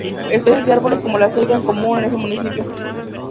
Especies de árboles como la ceiba es común en este municipio.